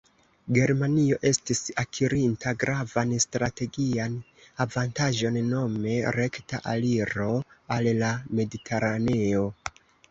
Germanio estis akirinta gravan strategian avantaĝon: nome rekta aliro al la Mediteraneo.